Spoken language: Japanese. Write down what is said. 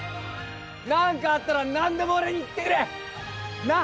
何かあったら何でも俺に言ってくれ、な！